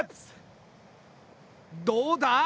どうだ？